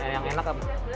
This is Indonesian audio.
yang enak apa